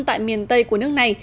tại miền tây của nước này